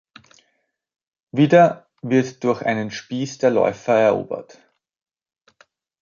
Wieder wird durch einen Spieß der Läufer erobert.